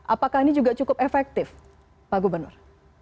apakah ini juga cukup efektif pak gubernur